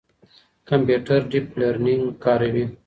کمپيوټر ډيپ لرنينګ کاروي.